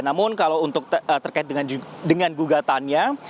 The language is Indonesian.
namun kalau untuk terkait dengan gugatannya